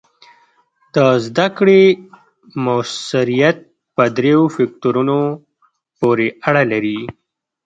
د زده کړې مؤثریت په دریو فکتورونو پورې اړه لري.